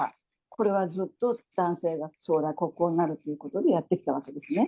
これはずっと男性が将来国王になるということでやってきたわけですね。